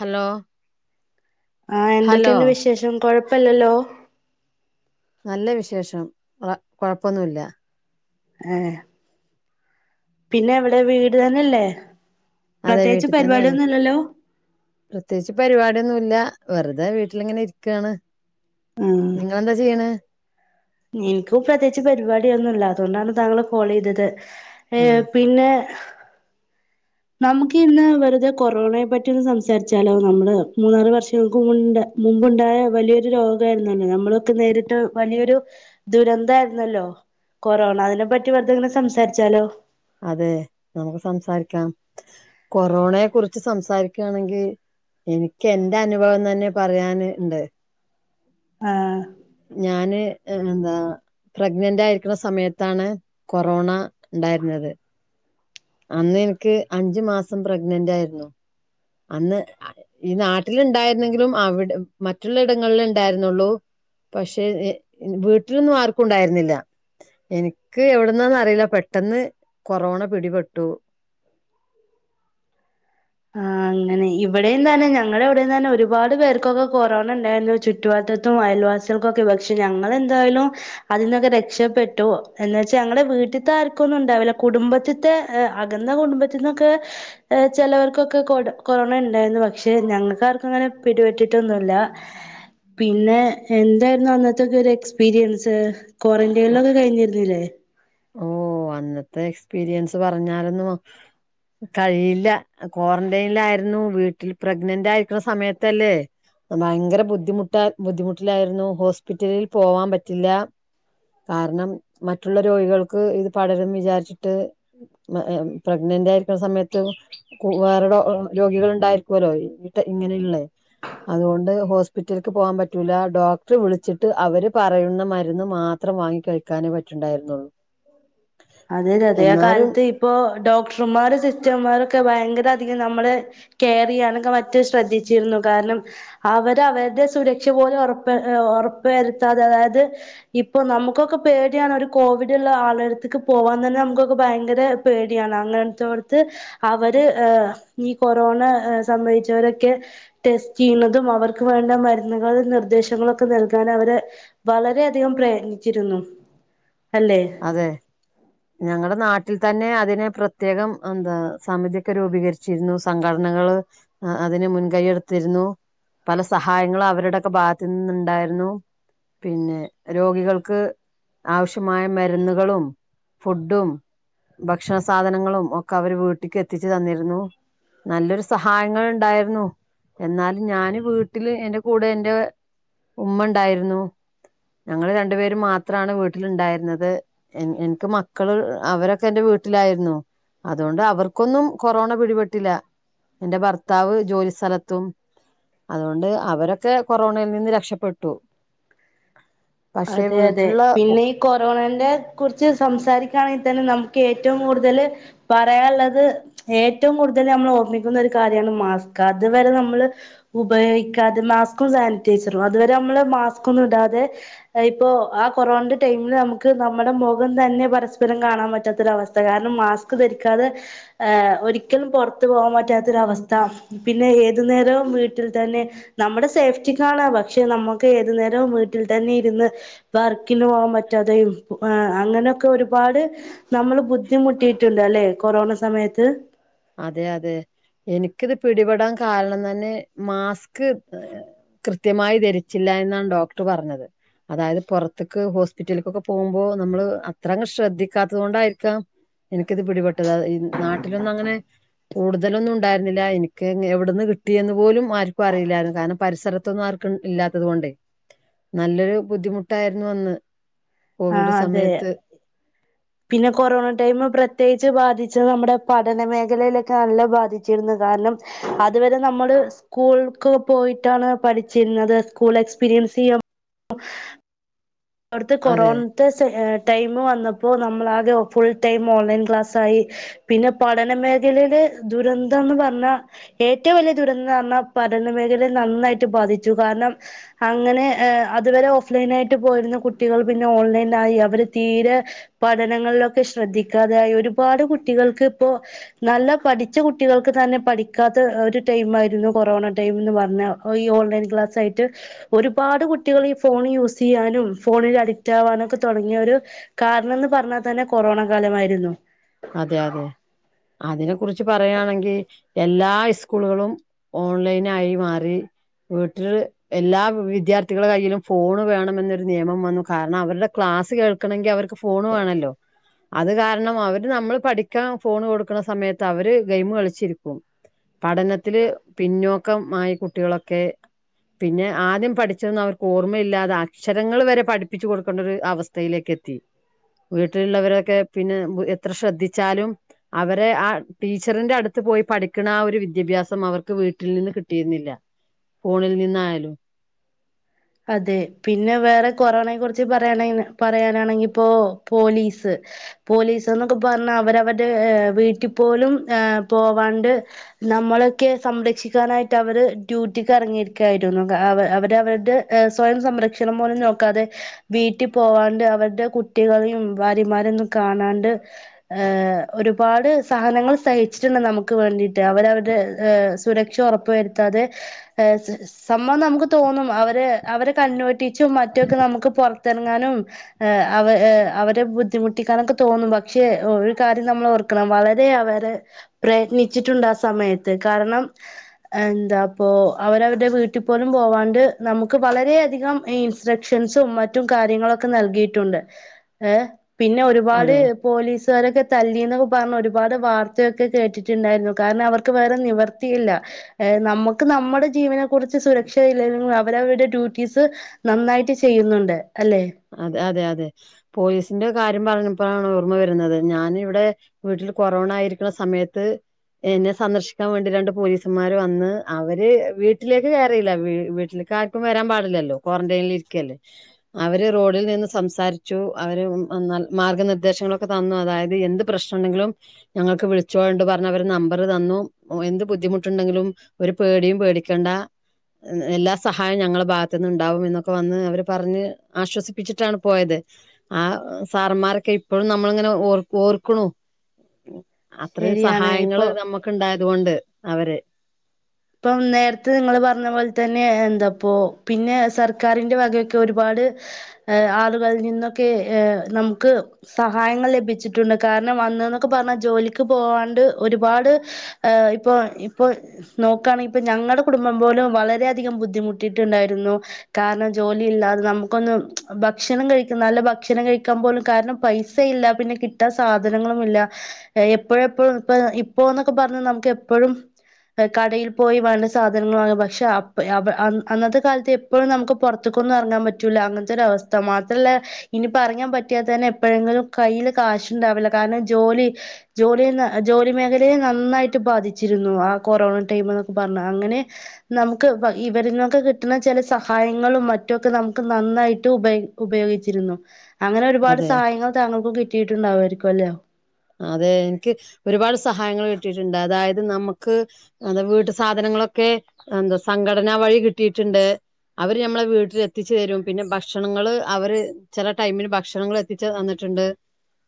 Hello ആഹ് hello എന്തൊക്കെയുണ്ട് വിശേഷം കൊഴപ്പല്ലല്ലോ നല്ല വിശേഷം ആഹ് കൊഴപ്പൊന്നുല്ല ഏഹ് പിന്നെ എവിടെ വീട് തന്നെല്ലേ അതെ പ്രത്യേകിച്ച് വീട്ടിൽ തന്നെയാണ് പരിപാടിയൊന്നും ഇല്ലല്ലോ പ്രത്യേകിച്ച് പരിപാടിയൊന്നുല്ല വെറുതെ വീട്ടിലിങ്ങനെ ഇരിക്കാണ് നിങ്ങളെന്താ ചെയ്യ്ണേ ഇൻക്ക് പ്രത്യേകിച്ച് പരിപാടി ഒന്നുല്ല അതുകൊണ്ടാണ് താങ്കളെ കോളെയ്തത് ആഹ് ഏഹ് പിന്നെ നമുക്ക് ഇന്ന് വെറുതെ കൊറോണയെ പറ്റി ഒന്ന് സംസാരിച്ചാലോ നമ്മള് മൂന്നാല് വർഷങ്ങൾക്ക് മുണ്ട് മുമ്പുണ്ടായ വലിയൊരു രോഗ ആരുന്നുല്ലെ നമ്മളൊക്കെ നേരിട്ട് വലിയൊരു ദുരന്ത ആരുന്നല്ലോ കൊറോണ അതിനെപ്പറ്റി വെറുതെങ്ങനെ സംസാരിച്ചാലോ? അതെ നമുക്ക് സംസാരിക്കാം കൊറോണയെ കുറിച്ച് സംസാരിക്കയാണെങ്കി എനിക്ക് എന്റെ അനുഭവം തന്നെ പറയന്ണ്ട്. ആഹ് ഞാന് എന്താ പ്രഗ്നന്റ് ആയിരിക്കുന്ന സമയത്താണ് കൊറോണ ണ്ടായിരുന്നത്. അന്ന് എനിക്ക് അഞ്ചു മാസം പ്രഗ്നന്റ് ആയിരുന്നു. അന്ന് ഈ നാട്ടില് ണ്ടായിരുന്നെങ്കിലും അവിടെ മറ്റുള്ള ഇടങ്ങളില ഉണ്ടായിരുന്നുള്ളൂ. പക്ഷേ വീട്ടിലൊന്നും ആർക്കും ണ്ടായിരുന്നില്ല. എനിക്ക് എവിടന്നന്ന അറിയില്ല പെട്ടെന്ന് കൊറോണ പിടിപെട്ടു. ആഹ് അങ്ങനെ ഇവിടെം തന്നെ ഞങ്ങളടെ എവിടെന്ന് തന്നെ ഒരുപാട് പേർക്കൊക്കെ കൊറോണ ഉണ്ടായിന്നു ചു റ്റുവാത്തത്തും അയൽവാസികൾക്കുക്കെ പക്ഷെ ഞങ്ങളെന്തായാലും അതിന്നൊക്കെ രക്ഷപ്പെട്ടു എന്ന വെച്ചാ ഞങ്ങടെ വീട്ടിത്തെ ആർക്കുന്നും ഉണ്ടാവില്ല കുടുംബത്തി ത്തെ എഹ് അകന്ന കുടുംബറ്റുന്നൊക്കെ എഹ് ചിലോർ ക്കൊക്കെ കൊട കൊറോണ ഉണ്ടായിരുന്നു പക്ഷെ ഞങ്ങക്കാർക്കും അങ്ങനെ പിടിപെട്ടിട്ടൊന്നുല്ല. പിന്നെ എന്തായിരുന്നു അന്നത്തക്കെ ഒരു എക്സ്പീരിയൻസ്? ക്വാറന്റൈനിലൊക്കെ കഴിഞ്ഞിരുന്നില്ലേ? ഓ അന്നത്തെ എക്സ്പീരിയൻസ് പറഞ്ഞാലൊന്നു കഴിയില്ല ക്വാറന്റൈയ്ലായിരുന്നു വീട്ടിൽ പ്രഗ്നന്റ് ആയിരിക്കണ സമയത്തല്ലേ. ഭയങ്കര ബുദ്ധിമുട്ട ബുദ്ധിമുട്ടിലായിരുന്നു ഹോസ്പിറ്റലിൽ പോവാൻ പറ്റില്ല. കാരണം മറ്റുള്ള രോഗികൾക്ക് ഇത് പടരും വിചാരിച്ചിട്ട് പ്രഗ്നന്റ് ആയിരിക്കുന്ന സമയത്ത്. വേറെ രോഗികൾ ഉണ്ടായിരിക്കോല്ലോ ഇട്ട് ഇങ്ങനെയ്ള്ളേ. അതുകൊണ്ട് ഹോസ്പിറ്റൽക്ക് പോകാൻ പറ്റൂല ഡോക്ടർ വിളിച്ചിട്ട് അവര് പറയുന്ന മരുന്ന് മാത് ത്രം വാങ്ങി കഴിക്കാനേ പറ്റിണ്ടായിരുന്നുള്ളൂ. അതെതെ അതേ കാലത്ത് ഇപ്പൊ ഡോക്ടർമാർ സിസ്റ്റർമാരൊക്കെ ഭയങ്കര അധികം നമ്മള്. കെയറെയ്യാനോക്കെ മറ്റു ശ്രദ്ധിച്ചിരുന്നു കാരണം അവര അവരുടെ സുരക്ഷ പോലെ ഉറപ്പ് ഉറപ്പവരുത്താതെ അതായത് ഇപ്പൊ നമുക്കൊക്കെ പേടിയാണ് ഒരു കോവിഡ്ള്ള ആളടത്ക്ക് പോവാൻ തന്നെ നമുക്കൊക്കെ ഭയങ്കര പേടിയാണ് അങ്ങനെടുത്തോടുത്ത് അവര് ഏഹ് ഈ കൊറോണ സംബവിച്ചവരൊക്കെ ടെസ്റ്റ് ചെയ്യുന്നതും അവർക്ക് വേണ്ട മരുന്നുകൾ നിർദ്ദേശങ്ങളൊക്കെ നൽകാൻ അവര് വളരെയധികം പ്രയത്നിച്ചിരുന്നു അല്ലെ? അതെ ഞങ്ങടെ നാട്ടിൽ തന്നെ അതിനെ പ്രത്യേകം എന്താ സമിതിക്കെ രൂപീകരിച് ച്ചിരുന്നു സംഘടനകൾ അതിനന് മുൻകൈ്യടുത്തിരുന്നു. പല സഹായങ്ങളും അവരുടെക്കെ ബാഗത്തു നിന്നുണ്ടായിരുന്നു. പിന്നെ രോഗികൾക്ക് ആവശ്യമായ മര് മരുന്നുകളും ഫുഡും. ഭക്ഷണ സാധനങ്ങളും ഒക്കെ അവര് വീട്ട്ക്ക് എത്തിച്ചു തന്നിരുന്നു. നല്ലൊരു സഹായങ്ങൾ ണ്ടായിരുന്നു. എന്നാലും ഞാന് വീട്ടില് എന്റെ കൂടെ എന്റെ ഉമ്മണ്ടായിരുന്നു. ഞങ്ങള് രണ്ടു പേരും മാത്രാണ് വീട്ടിലുണ്ടായിരുന്നത്. എൻ എനിക്ക് മക്കള് അവരൊക്കെ എൻറെ വീട്ടിലായിരുന്നു. അതൊണ്ട് അവർക്കൊന്നും കൊറോണ പിടിപെട്ടില്ല. ഇന്റെ ഭർത്താവ് ജോലി സ്ഥലത്തും. അതോണ്ട് അവരൊക്കെ കൊറോണയിൽ നിന്ന് രക്ഷപ്പെട്ടു. പക്ഷെ അതെ അതെ വീട്ടിലുള്ള പിന്നീ കൊറോണെന്റെ കുറിച്ച് സംസാരിക്കയാണെങ്കി തന്നെ നമുക്ക് ഏറ്റവും കൂടുതല് പറയാള്ളത് ഏറ്റവും കൂടുതൽ നമ്മളോർമ്മിക്കുന്നൊരു കാര്യാണ് മാസ്ക് അതുവരെ നമ്മള് ഉപയോഗിക്കാതെ മാസ്കും സാനിറ്റൈസറും അതുവരെ നമ്മള് മാസ്കൊന്നുടാതെ തഇപ്പോ ആ കൊറോണന്റെ ടൈമില് നമുക്ക് നമ്മുടെ മുഖം തന്നെ പരസ്പരം കാണാൻ പറ്റാത്തൊരവസ്ഥ കാരണംമാസ് ക്ക് ധരിക്കാതെ ഏഹ് ഒരിക്കലും പൊറത് പോവാപറ്റാത്തൊരവസ്ഥ പിന്നെ ഏതുനേരവും വീട്ടിൽതന്നെ നമ്മടെ സേഫ്റ്റിക്കാണ് പക്ഷെ നമ്മുക്കേതുനേരം വീട്ടിൽതന്നെ ഇരുന്ന് വർക്കിനോവാപറ്റാതെയും അങ്ങനെയൊകൊരുപാട് നമ്മള് ബുദ്ധിമുട്ടിട്ടുണ്ട് അല്ലെ കൊറോണസമയത്ത് അതെ അതെ എനിക്കിത് പിടിപെടാൻ കാരണം തന്നെ മാസ്ക് കൃത്യമായി ധരിച്ചില്ല എന്നാണ് ഡോക്ടർ പറഞ്ഞത്. അതായത് പൊറത്ത്ക്ക് ഹോസ്പിറ്റൽക്കൊക്കെ പോവുമ്പോ നമ്മള് അത്രങ്ങ് ശ്രദ്ധിക്കാത്തതോണ്ടായിരിക്കാം എനിക്കിത് പിടിപെട്ടത് ഈ നാട്ടിലൊന്നങ്ങനെ കൂടുതലൊന്നുണ്ടായിരുന്നില്ല എനിക്ക് എവിടന്ന് കിട്ടിയെന്ന് പോലും ആർക്കും അറിയില്ലായിരുന്നു കാരണം പരിസരത്തൊന്നും ആർ ക്കും ഇല്ലാത്തത് കൊണ്ടേ നല്ലൊരു ബുദ്ധിമുട്ടായിരുന്നു അന്ന്. കോവിഡ് ആഹ് അതെ സമയത്ത് പിന്നെ കൊറോണ ടൈമ് പ്രത്യേകിച്ച് ബാധിച്ചത് നമ്മുടെ പഠനമേഖലയിലൊക്കെ നല്ല ബാധിച്ചിരുന്നു കാരണം അതുവരെ നമ്മള് സ്കൂൾക്ക് പോയിട്ടാണ് പഠിച്ചിരുന്നത് സ്കൂൾ എക്സ്പീരിയൻസെയ്യ ഓട്ത്ത അതെ കൊറോൺ ത്ത് സെഹെ ടൈമ് വന്നപ്പോ നമ്മളാകെ ഫുൾടൈം ഓൺലൈൻക്ലാസ്സായി പിന്നെ പഠനമേഖലയില് ദുരന്തംന്ന് പറഞ്ഞാ ഏറ്റവും വലിയ ദുരന്തന്നർഞ്ഞാ പഠനമേഖലയെ നന്നായിട്ട് ബാധിച്ചു കാരണം. അങ്ങനെ ഏഹ് അതുവരെ ഓഫ്‌ലൈനായിട്ട് പോയിരുന്നു കുട്ടികൾ പിന്നെ ഓൺലൈനായി അവർ തീരെ പഠനങ്ങളിലൊക്കെ ശ്രദ്ധിക്കാതായി ഒരുപാട് കുട്ടികൾക്കിപ്പോ നല്ലപഠിച്ചകുട്ടികൾക്ക്തന്നെ പഠിക്കാത്തഒരുമായിരുന്നു കൊറോണടൈമെന്ന്പറഞ്ഞ ഈ ഓൺലൈൻ ക്ലാസായിട്ട് ഒരുപാട് കുട്ടികൾ ഈ ഫോൺ യൂസെയ്യാനും ഫോണിൽ അഡിക്റ്റാവാനൊക്കെ തൊടങ്ങിയ ഒരു കാരണംന്ന് പറഞ്ഞാ തന്നെ കൊറോണ കാലമായിരുന്നു. അതെ അതെ അതിനെ കുറിച്ച് പറയാണെങ്കി എല്ലാ ഇസ്കൂളുകളും ഓൺലൈനായിമാറി വീട്ടില് എല്ലാ വിദ്യാർത്ഥികളെ കയ്യിലും ഫോണ് വേണമെന്നൊരു നിയമം വന്നു കാരണം അവരുടെ ക്ലാസ്സ് കേൾക്കണങ്കി അവർക്ക് ഫോൺ വേണല്ലോ അത് കാരണം അവർ ര് നമ്മള് പഠിക്കാൻ ഫോണ് കൊടുക്കണ സമയത്ത് അവര് ഗെയിമ് കളിച്ചിരിക്കും. പഠനത്തില് പിന്നോക്കംമായ കുട്ടികളൊക്കെ പിന്നെ ആദ്യം പഠിച്ചതൊന്നും അവർക്ക് ഓർമ്മയില്ലാതെ അക്ഷരങ്ങൾ വരെ പഠിപ്പിച്ച് കൊടുക്കണ്ടൊരു അവസ് ഥയിലേക്ക് എത്തി വീട്ടിലുള്ളവരൊക്കെ പിന്നെ എത്ര ശ്രദ്ധിച്ചാലും അവരെ ആ ടീച്ചറിന്റെ അടുത്ത് പോയി പഠിക്ക്‌ണ ആ ഒരു വിദ്യാഭ്യാസം അവർക്ക് വീട്ടിൽനിന്ന് കിട്ടിയിരുന്നില്ല. ഫോണിൽ നിന്നായാലും അതെ പിന്നെ വേറെ കൊറോണയെ കുറിച്ച് പറയാനെ പറയാനാണെങ്കിപ്പോ പോലീസ് പോലീസ്ന്നൊക്കെ പറഞ്ഞ അവരവരുടെ വീട്ടിപോലും ഏഹ് പോവാണ്ട് നമ്മളൊക്കെ സംരക്ഷിക്കാനായിട്ട് അവര് ഡ്യൂട്ടിക്ക് എറങ്ങിയിരിക്കായിരുന്നു അവ അവരവരുടെ ഏഹ് സ്വയം സംരക്ഷണം പോലും നോക്കാതെ വീട്ടി പോവാണ്ട് അവരുടെ കുട്ടികളെയും ഭാര്യമാരൊന്നും കാണാണ്ട് ഏഹ് ഒരുപാട് സാഹനങ്ങൾ സഹിച്ചിട്ടുണ്ട് നമുക്ക് വേണ്ടിട്ട് അവരവരുടെ ഏഹ് സുരക്ഷ ഒറപ്പു വരുത്താതെ ഏഹ് സ സമ്മം നമുക്ക് തോന്നും അവര് അവരെ കണ്ണ് വെട്ടിച്ചും മറ്റൊക്കെ നമുക്ക് പൊറത്തെറങ്ങാനും ഏഹ് അവ അവരെ ബുദ്ധിമുട്ടിക്കാാനൊക്കെ തോന്നും പക്ഷെ ഒരുകാര്യം നമ്മളോർ ക്കണം വളരെ അവര് പ്രയത്നിച്ചിട്ടുണ്ട് ആ സമയത്ത് കാരണം എന്താപ്പൊ അവരവരുടെ വീട്ടി പോലും പോവാണ്ട് നമു ക്ക് വളര അധികം ഇൻസ്ട്രക്ഷൻസും മറ്റും കാര്യങ്ങളൊക്കെ നൽകിയിട്ടുണ്ട് ഏഹ് പിന്നെ അത് ഒരുപാട് പോലീസുകാരൊക്കെ തല്ലിന്നൊക്കെ പറഞ്ഞ് ഒരുപാട് വാർത്തയൊക്കെ കേട്ടിട്ടുണ്ടായിരുന്നു കാരണം അവർക്ക് വേറെ നിവർ ത്തിയില്ല നമുക്ക് നമ്മുടെ ജീവനെ കുറിച്ച് സുരക്ഷയില്ലങ്കിലും അവരവരുടെ ഡ്യൂട്ടീസ് നന്നായിട്ട് ചെയ്യുന്നുണ്ട് അല്ലേ അതെ അതെ അതെ പോലീസിന്റെ കാര്യം പറഞ്ഞപ്പളാണ് ഓർമ്മ വരുന്നത് ഞാന് ഇവിടെ വീട്ടില് കൊറോണ ആയിരിക്കുന്ന സമയത്ത് എന്നെ സന്ദർശിക്കാൻ വേണ്ടി രണ്ട് പോലീസന്മാര് വന്ന് അവര് വീട്ടിലേക്ക് കേറിയില്ല വീ വീട്ടിലേക്കാ ർക്കും വരാൻ പാടില്ലല്ലോ ക്വാറന്റേല് ഇരിക്കല്ലേ അവര് റോഡിൽ നിന്ന് സംസാരിച്ചു അവര് നൽ മാർഗ്ഗ നിർദ്ദേശങ്ങളൊക്കെ തന്നു അതായത് എന്ത് പ്രശ്നം ഉണ്ടെങ്കിലും ഞങ്ങൾക്ക് വിളിച്ചോണ്ടു പറഞ്ഞ് അവര് നമ്പറ് തന്നു എന്ത് ബുദ്ധിമുട്ട് ഉണ്ടെങ്കിലും ഒരു പേടിയും പേടിക്കണ്ട എല്ലാ സഹായോം ഞങ്ങളെ ഭാഗത്തു നിന്നിണ്ടാവും എന്നൊക്കെ വന്ന് അവര് പറഞ്ഞ് ആശ്വസിപ്പിച്ചിട്ടാണ് പോയത് ആഹ് സാറമ്മാരെക്കെ ഇപ്പഴും നമ്മളിങ്ങനെ ഓർ ഓർക്കുണു അത്രയും ശരിയാണ് സഹായങ്ങള് ഇപ്പൊ നമ്മുക്കിണ്ടായതു കൊണ്ട് അവര് ഇപ്പം നേരത്തെ നിങ്ങള് പറഞ്ഞ പോലെ തന്നെ എന്താപ്പോ പിന്നെ സർക്കാരിന്റെ വകയൊക്കെ ഒരുപാട് ഏഹ് ആളുകളിൽ നിന്നൊക്കെ ഏഹ് നമുക്ക് സഹായങ്ങൾ ലഭിച്ചിട്ടുണ്ട് കാരണം അന്ന്ന്നൊക്കെ പറഞ്ഞാ ജോലിക്ക് പോവാണ്ട് ഒരുപാട് ആഹ് ഇപ്പോ ഇപ്പോ നോക്കാൻ ഇപ്പൊ ഞങ്ങടെ കുടുംബം പോലും വളരെയധികം ബുദ്ധിമുട്ടിട്ടുണ്ടായിരുന്നു. കാരണം ജോലിയില്ലാതെ നമുക്കൊന്നും ഭക്ഷണം കഴിക്കുന്ന നല്ല ഭക്ഷണം കഴിക്കാൻ പോലും കാരണം പൈസ. പൈസയില്ല പിന്നെ കിട്ടാൻ സാധനങ്ങളുമില്ല. എപ്പോഴ് എപ്പോഴും ഇപ്പ ഇപ്പോന്നൊക്കെ പറഞ്ഞാൽ നമുക്ക് എപ്പഴും. കടയിൽ പോയി വേണ്ടേ സാധനങ്ങള് വാങ്ങും, പക്ഷേ അപ്പ അവ അന്ന അന്നത്തെ കാലത്ത് എപ്പഴും നമുക്ക് പൊറത്തുക്കൊന്നു എറങ്ങാൻ പ റ്റൂല അങ്ങനത്തൊരു അവസ്ഥ മാത്രമല്ല. ഇനിപ്പറഞ്ഞാന് പറ്റിയാ തന്നെ എപ്പഴെങ്കിലും കൈയ്യില് കാശ് ഉണ്ടാവില്ല, കാരണം ജോലി. ജോലിയെന്ന് ജോലി മേഖലയിൽ നന്നായിട്ട് ബാധിച്ചിരുന്നു ആഹ്. കൊറോണ ടൈം എന്നൊക്കെ പറഞ്ഞ് അങ്ങനെ. നമുക്ക് ഇവ ഇവരിനൊക്കെ കിട്ടുന്ന ചെല സഹായങ്ങളും മറ്റുക്കെ നമുക്ക് നന്നായിട്ട് ഉപയോ ഉപയോഗിച്ചിരുന്നു അങ്ങനെ ഒരുപാട് അതെ സഹായങ്ങള് താങ്കൾക്കും കിട്ടിയിട്ടുണ്ടാവുമായിരിക്കുവല്ലോ. അതെ എനാക്ക് ഒരുപാട് സഹായങ്ങൾ കിട്ടിയിട്ടുണ്ട്, അതായത് നമുക്ക്. അത് വീട്ടു സാധനങ്ങളൊക്കെ എന്തോ സംഘടന വഴി കിട്ടിയിട്ടുണ്ട്. അവര് ഞമ്മളെ വീട്ടില് എത്തിച്ചു തരും, പിന്നെ ഭക്ഷണങ്ങള് അവര് ചെല ടൈമില് ഭക്ഷണങ്ങൾ. എത്തിച്ച് തന്നിട്ടുണ്ട്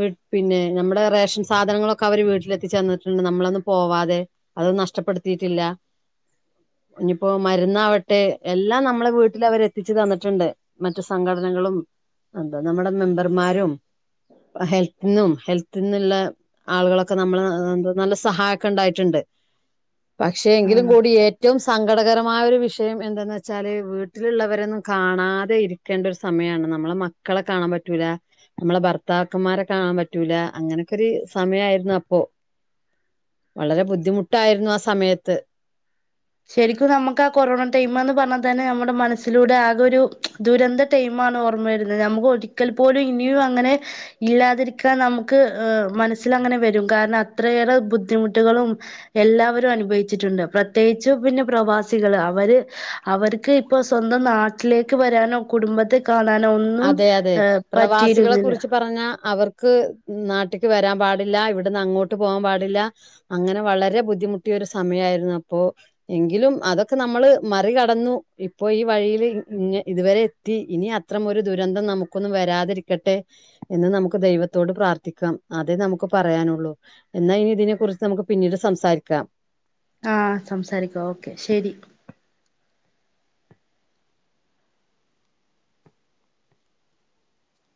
വിൻ പിന്നെ ഞമ്മളെ. റേഷൻ സാധനങ്ങളൊക്കെ അവര് വീട്ടിലെത്തിച്ച് തന്നിട്ടുണ്ട്, നമ്മളൊന്നും പോവാതെ. അത് നഷ്ടപ്പെടുത്തിയിട്ടില്ല. ഇനിയിപ്പോ മരുന്ന് ആവട്ടെ എല്ലാം നമ്മളെ വീട്ടില് അവര് എത്തിച്ചു തന്നിട്ടുണ്ട്. മറ്റു സംഘടനകളും എന്താ നമ്മുടെ മെമ്പർമാരും. ഹെൽത്തിനും ഹെൽ ത്തിന്നുള്ള ആളുകളൊക്കെ നമ്മള് എന്തോ നല്ല സഹായം ഒക്കെ ഉണ്ടായിട്ടുണ്ട്. പക്ഷേ എങ്കിലും ആഹ് കൂടി ഏറ്റവും സങ്കടകരമായ ഒരു വിഷയം എന്താെന്ന് വെച്ചാല് വീ വീട്ടിലുള്ളവരൊന്നും കാണാതെ ഇരിക്കേണ്ട ഒരു സമയാണ് നമ്മളെ മക്കളെ കാണാൻ പറ്റൂല. നമ്മളെ ഭർത്താക്കന്മാരെ കാണാൻ പറ്റൂല. അങ്ങനെക്കൊരു സമയമായിരുന്നു അപ്പോ, വളരെ ബുദ്ധിമുട്ടായിരുന്നു ആഹ് സമയത്ത്. ശരിക്കും നമുക്ക് ആഹ് കൊറോണ ടൈം എന്നുപറഞ്ഞാൽ തന്നെ നമ്മുടെ മനസ്സിലൂടെ ആകെ ഒരു ദുരന്തം. ടൈമാണ് ഓർമ്മവരുന്ന നമുക്ക്‌ ഒരിക്കൽ പോലും ഇനിയും അങ്ങനെ. ഇല്ലാതിരിക്കാൻ നമുക്ക് ഏഹ് മനസ്സില് അങ്ങനെ വരും, കാരണം അത്രയേറെ ബുദ്ധിമുട്ടുകളും. എല്ലാവരും അനുഭവിച്ചിട്ടുണ്ട്, പ്രത്യേകിച്ച് പിന്നെ പ്രവാസികള് അവര്. അവർക്ക് ഇപ്പൊ സ്വന്തം നാട്ടിലേക്ക് വരാനോ കുടുംബത്തെ കാണാനോ ഒന്നും. ഒന്നും ഏഹ് പറ്റിയിരുന്നില്ല. പറഞ്ഞാൽ അവർക്ക് നാട്ടേക്ക് വരാൻ പാടില്ല ഇവിടുന്ന് അങ്ങോട്ട് പോവാൻ പാടില്ല. അങ്ങനെ വളരെ ബുദ്ധിമുട്ടിയ ഒരു സമയമായിരുന്നു അപ്പോ. എങ്കിലും അതൊക്കെ നമ്മള് മറികടന്നു ഇപ്പൊ ഈ വഴിയിൽ ഇങ്ങ് ഇതുവരെ എത്തി ഇനി. ഇത്രമോ ഒരു ദുരന്തം നമുക്കൊന്നും വരാതിരിക്കട്ടെ. എന്ന് നമുക്ക് ദൈവത്തോട് പ്രാർത്ഥിക്കാം, അതേ നമുക്ക് പറയാനുള്ളൂ. എന്നാൽ ഇനി ഇതിനെ കുറിച്ച് നമുക്ക് പിന്നീട് സംസാരിക്കാം. ആഹ് സംസാരിക്കാം ഓക്കേ ശരി.